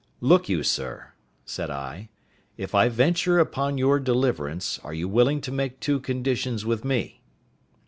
"Look you, sir," said I, "if I venture upon your deliverance, are you willing to make two conditions with me?"